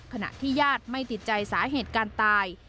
ขณะที่ญาติไม่ติดใจสาเหตุการตาย